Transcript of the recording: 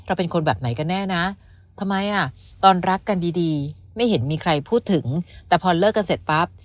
ก็ไม่อ่ะตอนรักกันดีไม่เห็นมีใครพูดถึงแต่พอเลิกกันเสร็จปั๊บ